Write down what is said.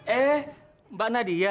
eh mbak nadia